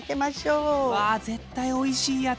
うわ絶対おいしいやつ。